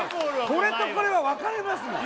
これとこれは分かれますもん